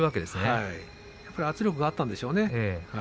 やっぱり圧力があったんでしょうね。